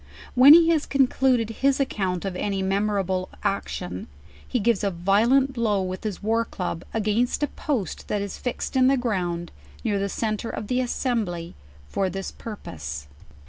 W r hen he has con cluded his accourt of any memorable action, he gives a vio lent blow with his war club, against a post that is fixed in the ground, near the centre of the assembly for this pur pose.